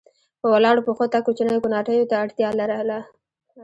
په ولاړو پښو تګ کوچنیو کوناټیو ته اړتیا لرله.